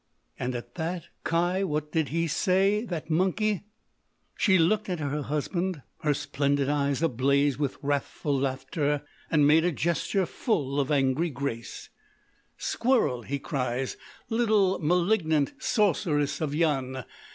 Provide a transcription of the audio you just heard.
"And at that—kai! What did he say—that monkey?" She looked at her husband, her splendid eyes ablaze with wrathful laughter, and made a gesture full of angry grace: "'Squirrel!' he cries—'little malignant sorceress of Yian!